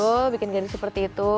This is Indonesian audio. tuh bikin garis seperti itu